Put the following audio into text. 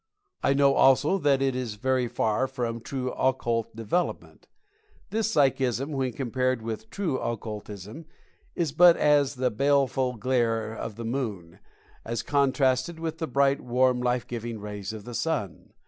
I know, also, that it is very far from true Occult Development. This "psychism," when compared with true Occultism, is but as the baleful glare of the Moon, as contrasted with the bright, warm, life giving rays of the Sun.